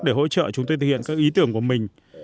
để hỗ trợ chúng tôi thực hiện các ý tưởng của mình